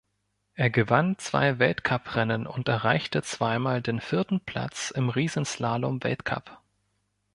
Er gewann zwei Weltcuprennen und erreichte zweimal den vierten Platz im Riesenslalom-Weltcup.